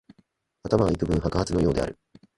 頭はいくぶん白髪のようである